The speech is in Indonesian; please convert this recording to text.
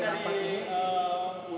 dua hari lagi ke sini lagi